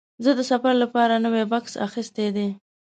زه د سفر لپاره نوی بکس اخیستی دی.